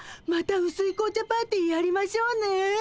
またうすい紅茶パーティーやりましょうね。